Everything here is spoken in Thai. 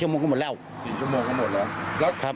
๔ชั่วโมงก็หมดแล้วครับ